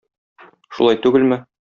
Шулай түгелме?